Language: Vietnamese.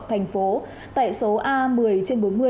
thành phố tại số a một mươi trên bốn mươi